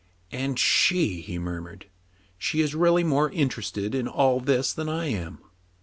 And she !" he murmured. " She is really more interested in all this than I am."